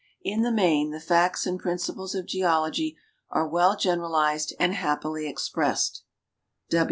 In the main, the facts and principles of geology are well generalized and happily expressed.